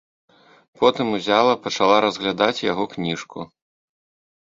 Потым узяла, пачала разглядаць яго кніжку.